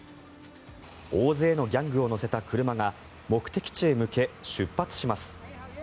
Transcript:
大勢のギャングを乗せた車が目的地へ向け、出発します。